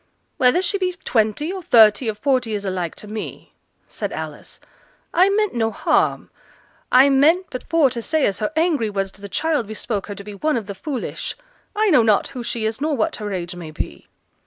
'Whether she be twenty, or thirty, or forty, is alike to me,' said Alice. 'I meant no harm. I meant but for t' say as her angry words to the child bespoke her to be one of the foolish. I know not who she is, nor what her age may be.'